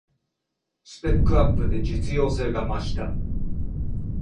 スペックアップで実用性が増した